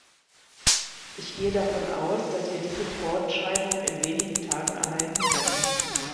Ich gehe davon aus, dass wir diese Fortschreibung in wenigen Tagen erhalten werden.